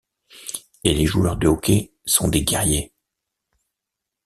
Et les joueurs de hockey sont des guerriers.